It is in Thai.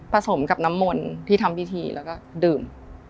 สมกับน้ำมนต์ที่ทำพิธีแล้วก็ดื่ม